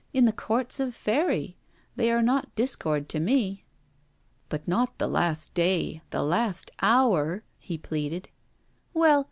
in the Courts of Faery! They are not discord to me.' 'But not the last day the last hour!' he pleaded. 'Well!